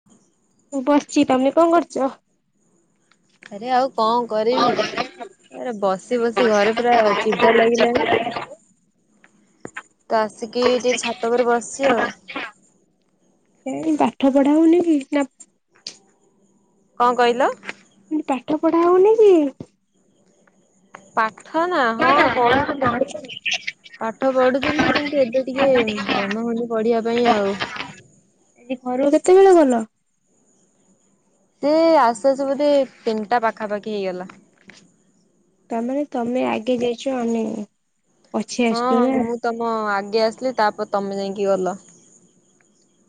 [inaudible] ମୁଁ ବସିଛି। ତମେ କଁ କରୁଛ? ଆରେ ଆଉ କଁ କରିବି। ଆରେ ବସି ବସି ଘରେ ପୁରା ଚିଡା ଲାଗିଲାଣି। ତ ଆସିକି ଟିକେ ଛାତ ଉପରେ ବସିଛି ଆଉ। କାଇଁ ପାଠ ପଢା ହଉନି କି ନା। କଁ କହିଲ। ପାଠ ପଢ଼ା ହଉନି କି। ପାଠ ନା ହଁ ପଢୁଥିଲି। ପାଠ ପଢୁଥିଲି କିନ୍ତୁ ଏବେ ଟିକେ ଆଜି ମନ ହଉନି ପଢିବା ପାଇଁ ଆଉ। ଆଜି ଘରୁକୁ କେତେ ବେଳେ ଗଲ? ସେ ଆସୁ ଆସୁ ବୋଧେ ତିନିଟା ପାଖାପାଖି ହେଇଗଲା। ତା ମାନେ ତମେ ଆଗେ ଯାଇଛ ଆମେ। ପଛେ ହଁଁ ଆସିଛୁ ହଁ ନା ମୁଁ ତମ ଆଗେ ଆସିଲି ତାପରେ ତମେ ଯାଇଁ କି ଗଲ।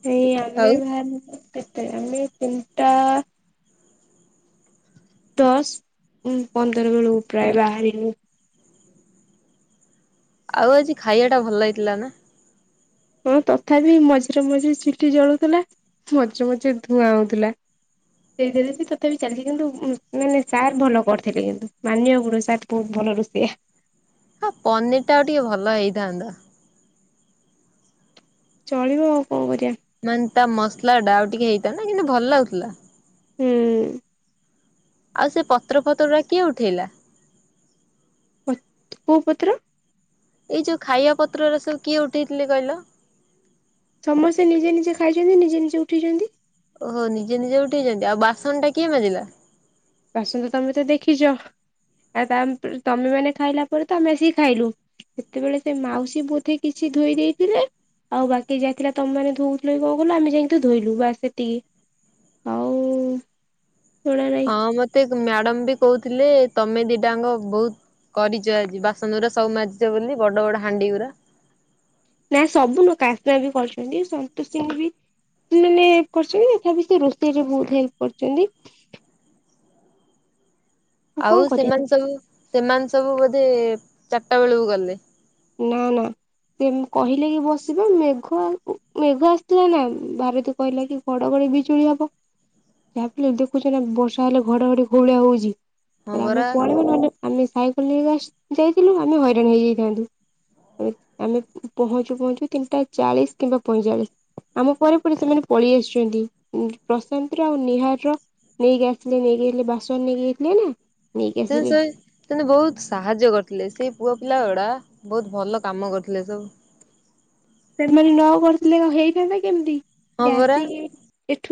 ହେଇ ଆମେ ଆଉ ବାହାରିଲୁ କେତେ ଆମେ ତିନିଟା। ଦଶ ପନ୍ଦର ବେଳକୁ ପ୍ରାୟ ବାହାରିଲୁ। ଆଉ ଆଜି ଖାଇବା ଟା ଭଲ ହେଇଥିଲା ନା। ହଁ ତଥାପି ମଝିରେ ମଝିରେ ସିଟି ଜଳୁଥିଲା ମଝିରେ ମଝିରେ ଧୂଆଁ ହଉଥିଲା। ସେଇଥିରେ ସେ ତଥାପି ଚାଲିଛି କିନ୍ତୁ ଉଁ ମ ମାନେ ସାର୍ ଭଲ କରିଥିଲେ କିନ୍ତୁ ମାନିବାକୁ ପଡ଼ିବ ସାର୍। ବହୁତ୍ ଭଲ ରୋସେୟା। ହଁ ପନିର୍ ଟା ଆଉ ଟିକେ ଭଲ ହେଇଥାନ୍ତା। ଚଳିବ ଆଉ କଣ କରିବା। ମାନେ ତା ମସଲାଟା ଆଉ ଟିକେ ହେଇଥାନ୍ତା କିନ୍ତୁ ଭଲ ଲାଗୁଥିଲା। ହୁଁ। ଆଉ ସେ ପତ୍ର ଫତ୍ର ଗୁରା କିଏ ଉଠେଇଲା? ପତ୍ କୋଉ ପତ୍ର। ଏଇ ଯୋଉ ଖାଇବା ପତ୍ର ଗୁରା ସବୁ କିଏ ଉଠେଇ ଥିଲେ କହିଲ। ସମସ୍ତେ ନିଜେ ନିଜେ ଖାଇଛନ୍ତି ନିଜେ ନିଜେ ଉଠେଇଛନ୍ତି। ଓହୋ ନିଜେ ନିଜେ ଉଠେଇଛନ୍ତି ଆଉ ବାସନ ଟା କିଏ ମାଜିଲା। ବାସନ ତ ତମେ ତ ଦେଖିଛ ଆ ତାମ୍ ତମେ ମାନେ ଖାଇଲା ପରେ ତ ଆମେ ଆସିକି ଖାଇଲୁ। ସେତେବେଳେ ସେ ମାଉସୀ ବୋଧେ କିଛି ଧୋଇ ଦେଇଥିଲେ। ଆଉ ବାକି ଯାହା ଥିଲା ତମ ମାନେ ଧଉଥିଲ କି କଁ କଲ ଆମେ ଯାଇଁକି ତ ଧୋଇଲୁ ବାସ୍ ସେତିକି। ଆଉ [unintelligible] ଶୁଣା ନାହିଁ ହଁ ମତେ ମ୍ୟାଡାମ ବି କହୁଥିଲେ ତମେ ଦିଟା ଆଙ୍କ ବହୁତ। କରିଛ ଆଜି ବାସନ ଗୁରା ସବୁ ମାଜିଛ ବୋଲି ବଡ ବଡ ହାଣ୍ଡି ଗୁୁରା। ନା ସବୁ ନୁଅ କାସ୍ନା ବି କରିୁଛନ୍ତି ସନ୍ତୋଷିନି ବି। ମାନେ କରିଛନ୍ତି ତଥାପି ସେ ରୋଷେଇ ରେ ବହୁତ ହେଲ୍ପ କରିଛନ୍ତି। ଆଉ କଣ କରିବା ସେମାନେ ସବୁ ସେମାନେ ସବୁ ବୋଧେ ଚାରିଟା ବେଳକୁ ଗଲେ। ନା ନା। ସିଏ ମ୍ କହିଲେ କି ବସିବ ମେଘ ଆ ଉ ମେଘ ଆସୁଥିଲା ନା ଭାରତୁ କହିଲା କି। ଘଡଘଡି ବିଜୁଳି ହବ ଯାହା ବି ହେଲେ ଦେଖୁଛ ନା ବର୍ଷା ହେଲେ ଘଡଘଡି କୋଉ ଭଳିଆ ହଉଛି। ହଁ କହିଲା ଆମେ ପରା ପଳେଇବା ନହେଲେ ଆମେ ସାଇକେଲ ନେଇକ ଆସ୍ ଯାଇଥିଲୁ ଆମେ ହଇରାଣ ହେଇ ଯାଇ ଥାନ୍ତୁ। ଆମେ ପହଞ୍ଚୁ ପହଞ୍ଚୁ ତିନିଟା ଚାଳିଶ କିମ୍ବା ପଇଁଚାଳିଶ। ଆମ ପରେ ପରେ ସେମାନେ ପଳେଇ ଆସିଛନ୍ତି ଉଁ ପ୍ରଶାନ୍ତ ର ଆଉ ନିହାର ର। ନେଇକି ଆସଲେ ନେଇକି ଯାଇଥିଲେ ବାସନ ନେଇକି ଯାଇଥିଲେ ନା। ନେଇକି ସେ ଆସିଲେ ସେଇ। ସେମାନେ ବହୁତ ସାହାଯ୍ୟ କରିଥିଲେ ସେଇ ପୁଅ ପିଲା ଗୁଡା ବହୁତ ଭଲ କାମ କରିଥିଲେ ସବୁ। ସେମାନେ ନ କରିିଥିଲେ ହେଇଥାନ୍ତା କେମିତି ହଁ ସେ ପରା। ଆସିକି ଏଠୁ